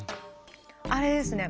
あれですね。